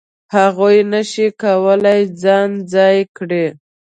هغوی نه شي کولای ځان ځای کړي.